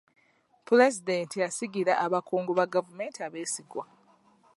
Pulezidenti asigira abakungu ba gavumenti abeesigwa.